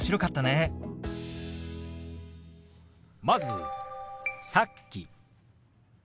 まず「さっき」。